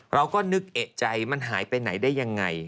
เราก็นึกเอกใจมันหายไปไหนได้ยังไง